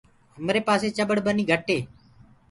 همري پآسي چڀڙ ٻني گھٽ هي۔